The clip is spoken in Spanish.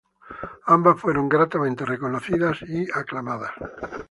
Ambas fueron gratamente reconocidas y aclamadas.